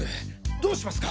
どうしますか？